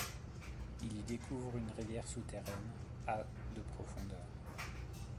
Il y découvre une rivière souterraine, à de profondeur.